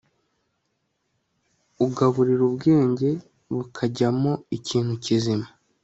ugaburira ubwenge bukajyamo ikintu kizima